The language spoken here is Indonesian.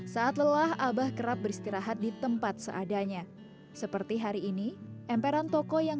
saat lelah abah kerap beristirahat di tempat seadanya seperti hari ini emperan toko yang